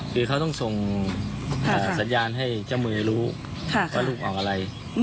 ทีมงานรู้อยู่แล้วว่าลูกออกอะไร